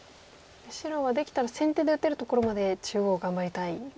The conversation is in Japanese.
白はできたら先手で打てるところまで中央頑張りたい。